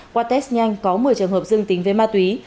qua test nhanh có một mươi trường hợp dương tính với ma túy